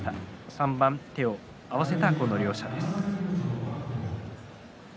三番、手を合わせた両者です。